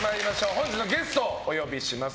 本日のゲストお呼びします。